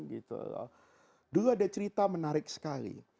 dulu ada cerita menarik sekali